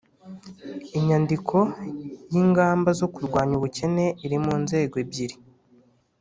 inyandiko y'lngamba zo kurwanya ubukene iri mu nzego ebyiri